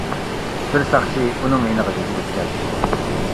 بىر ساقچى ئۇنىڭ يېنىغا يۈگۈرۈپ كەلدى.